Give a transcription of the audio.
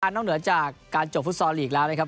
นอกเหนือจากการจบฟุตซอลลีกแล้วนะครับ